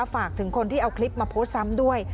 ฝากถึงคนที่เอาคลิปมาโพสต์ซ้ำด้วย